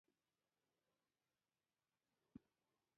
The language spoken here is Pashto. دوی نه پوهېدل چې موږ تخمونه یو.